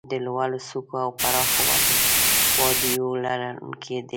د لوړو څوکو او پراخو وادیو لرونکي دي.